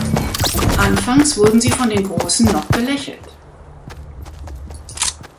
Anfangs wurden sie von den Großen noch belächelt.